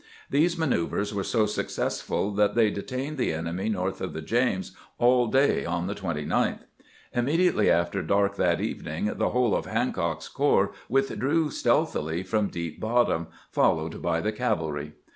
These manoeuvers were so successful that they detained the enemy north of the James all day on the 29th. Immediately after dark that evening the whole of Hancock's corps with drew stealthily from Deep Bottom, followed by the cav alry.